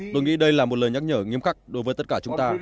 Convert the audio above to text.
tôi nghĩ đây là một lời nhắc nhở nghiêm khắc đối với tất cả chúng ta